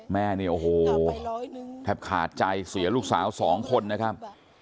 แม่นี่โอ้โหแทบขาดใจเสียลูกสาวสองคนนะครับ